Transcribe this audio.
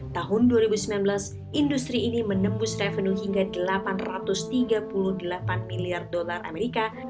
tahun dua ribu sembilan belas industri ini menembus revenue hingga delapan ratus tiga puluh delapan miliar dolar amerika